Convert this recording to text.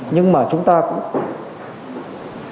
nhưng mà chúng ta cũng phải